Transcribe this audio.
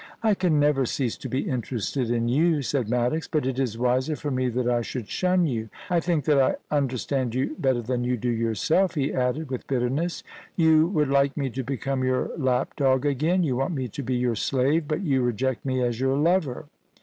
* I can never cease to be interested in you,' said Maddox; * but it is wiser for me that I should shun you. I think that I understand you better than you do yourself,' he added, with bitterness ;* you would like me to become your lapdog again ; you want me to be your slave, but you reject me as your lover.